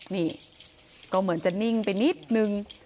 นี่ก็เหมือนจะนิ่งไปนิดนึง